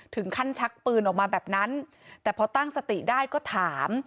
ชักปืนออกมาแบบนั้นแต่พอตั้งสติได้ก็ถาม